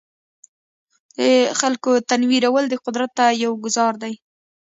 د خلکو تنویرول د قدرت ته یو ګوزار دی.